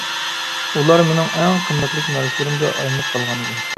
ئۇلار مىنىڭ ئەڭ قىممەتلىك نەرسىلىرىمگە ئايلىنىپ قالغان ئىدى.